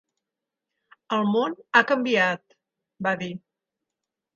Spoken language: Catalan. "El món ha canviat," va dir.